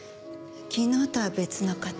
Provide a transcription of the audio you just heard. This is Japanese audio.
昨日とは別の方。